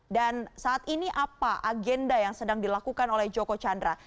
dan saat ini apa agenda yang sedang dilakukan oleh joko chandra